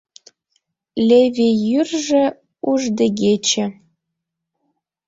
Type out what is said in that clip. Леве йӱржӧ уждегече.